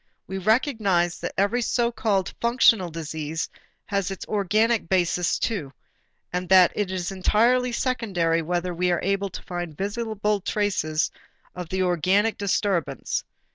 We recognized that every so called functional disease has its organic basis too, and that it is entirely secondary whether we are able to find visible traces of the organic disturbance.